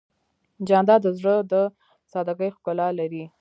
جانداد د زړه د سادګۍ ښکلا لري.